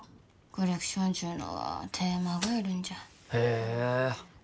コレクションちゅうのはテーマがいるんじゃへえ